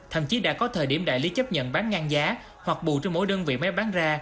thậm chí đã có thời điểm đại lý chấp nhận bán ngang giá hoặc bù cho mỗi đơn vị máy bán ra